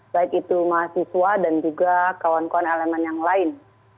baik itu mahasiswa dan juga kawan kawan elemen yang lain